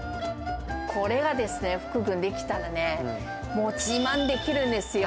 これがですね、福君出来たらね、もう自慢できるんですよ。